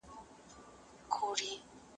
درد به په تېزۍ سره له دغه ځایه کډه وکړي.